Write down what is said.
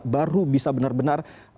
baru bisa benar benar